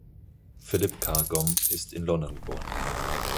Philip Carr-Gomm ist in London geboren.